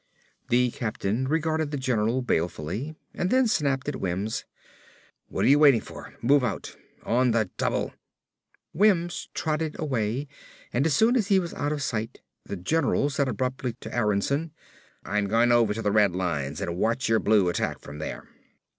The captain regarded the general balefully and then snapped at Wims, "What are you waiting for? Move out! ON THE DOUBLE!" Wims trotted away and as soon as he was out of sight the general said abruptly to Aronsen, "I'm going over to the Red lines and watch your Blue attack from there."